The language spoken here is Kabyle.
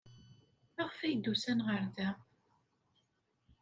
Maɣef ay d-usan ɣer da?